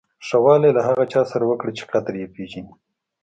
ښه والی له هغه چا سره وکړه چې قدر یې پیژني.